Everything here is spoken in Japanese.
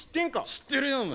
知ってるよおめえ。